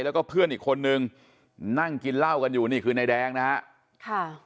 แล้วก็เพื่อนอีกคนนึงนั่งกินเหล้ากันอยู่นี่คือนายแดงนะฮะค่ะ